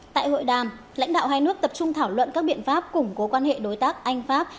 tại hội đàm lãnh đạo hai nước tập trung thảo luận các biện pháp củng cố quan hệ đối tác anh pháp